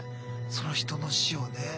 その人の死をね。